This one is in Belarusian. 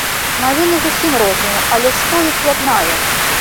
Навіны зусім розныя, але што іх яднае?